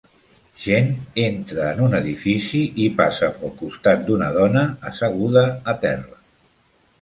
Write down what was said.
Gent entra en un edifici i passa pel costat d'una dona assegurada a terra.